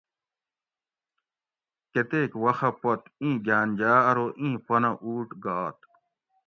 کۤتیک وخہ پت اِیں گھاۤن جاۤ ارو اِیں پنہ اُوٹ گات